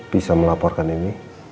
bisa melaporkan ini